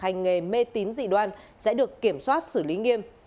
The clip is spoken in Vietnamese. hành nghề mê tín dị đoan sẽ được kiểm soát xử lý nghiêm